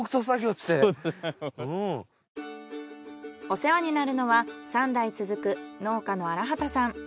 お世話になるのは３代続く農家の荒幡さん。